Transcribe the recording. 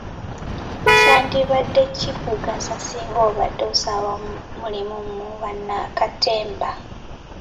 Kyandibadde kikugasa singa obadde osaba mulimu mu bannakatemba!